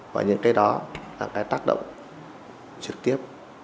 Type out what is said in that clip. và những cái đó là cái tác động trực tiếp